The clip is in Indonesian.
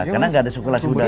karena nggak ada sirkulasi udara